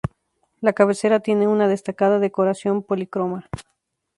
La cabecera tiene una destacada decoración policroma.